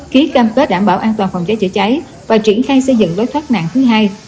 ký cam kết đảm bảo an toàn phòng cháy chữa cháy và triển khai xây dựng lối thoát nạn thứ hai